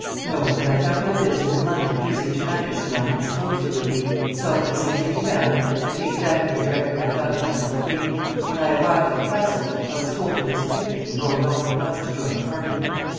"No; but I found my business in London easier to manage than I had supposed it would be; so, as in duty bound, I came down here directly I found myself free. When I arrived at the Castle, I was told of this picnic, and rode off at once to join the party."